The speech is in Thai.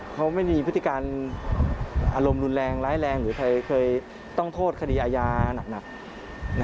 เขาไม่มีพฤติการอารมณ์รุนแรงร้ายแรงหรือใครเคยต้องโทษคดีอาญาหนัก